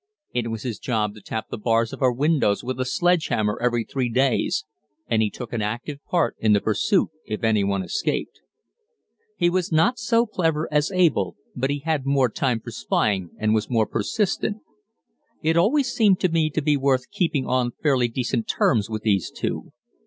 It was his job to tap the bars of our windows with a sledge hammer every three days, and he took an active part in the pursuit if any one escaped. He was not so clever as Abel, but he had more time for spying and was more persistent. It always seemed to me to be worth keeping on fairly decent terms with these two.